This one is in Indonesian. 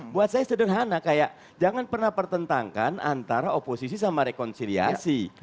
buat saya sederhana kayak jangan pernah pertentangkan antara oposisi sama rekonsiliasi